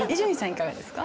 いかがですか？